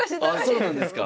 ああそうなんですか。